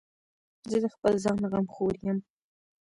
زه د خپل ځان غمخور یم.